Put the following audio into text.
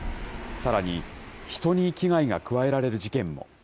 さらに、人に危害が加えられる事件も。